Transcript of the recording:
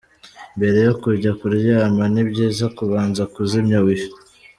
Mbere yo kujya kuryama, ni byiza kubanza kuzimya Wi-Fi.